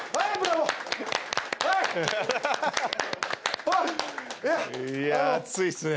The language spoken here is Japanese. いや、熱いっすね。